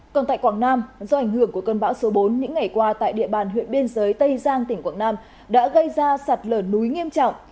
còn tại quảng nam do ảnh hưởng của cơn bão số bốn những ngày qua tại địa bàn huyện biên giới tây giang tỉnh quảng nam đã gây ra sạt lở núi nghiêm trọng